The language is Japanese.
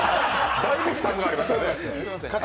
だいぶ時間がありましたね。